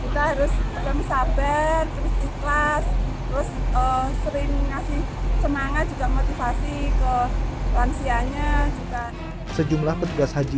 terus ikhlas terus sering ngasih semangat juga motivasi ke lansianya juga sejumlah petugas haji